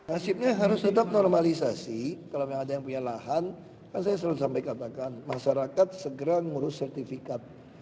hasilnya harus tetap normalisasi kalau ada yang punya lahan kan saya selalu sampaikan masyarakat segera ngurus sertifikat